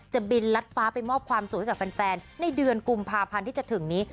บินลัดฟ้าไปมอบความสุขให้กับแฟนในเดือนกุมภาพันธ์ที่จะถึงนี้